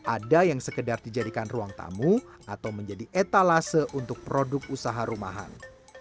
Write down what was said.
ada yang sekedar dijadikan ruang tamu atau menjadi etalase untuk produk usaha rumahan